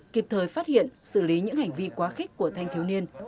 kịp thời phát hiện xử lý những hành vi quá khích của thanh thiếu niên